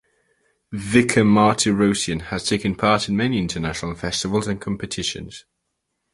Vika Martirosyan has taken part in many international festivals and competitions.